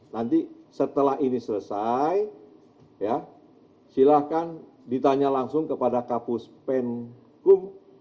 nanti setelah ini selesai silahkan ditanya langsung kepada kapus penkum